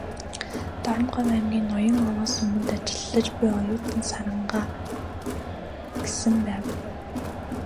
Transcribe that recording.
"Дорноговь аймгийн Ноён-Овоо суманд ажиллаж буй оюутан Сарангаа"с гэсэн байв.